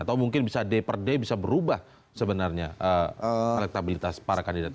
atau mungkin bisa d per day bisa berubah sebenarnya elektabilitas para kandidat